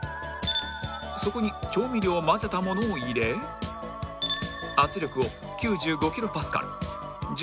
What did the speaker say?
そこに調味料を混ぜたものを入れ圧力を９５キロパスカル時間を３５分にセット